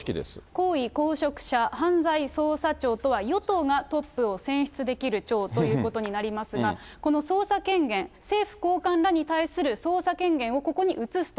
高位公職者犯罪捜査庁というのは、与党がトップを選出できる庁ということになりますが、この捜査権限、政府高官らに対する捜査権限をここに移すと。